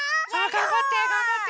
がんばってがんばって！